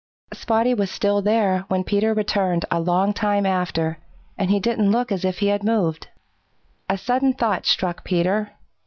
Spotty was still there when Peter returned a long time after, and he didn't look as if he had moved. A sudden thought struck Peter.